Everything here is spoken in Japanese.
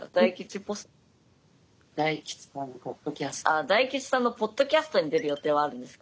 ああ大吉さんのポッドキャストに出る予定はあるんですか？